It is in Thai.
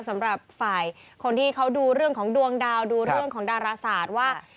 สำหรับฝ่ายคนที่เขาดูเรื่องของดวงดาวดูเรื่องของดาราศาสตร์ว่า